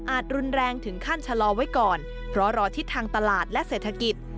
รุนแรงถึงขั้นชะลอไว้ก่อนเพราะรอทิศทางตลาดและเศรษฐกิจ